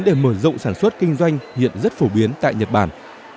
và sử dụng sản xuất kinh doanh hiện rất phổ biến tại nhật bản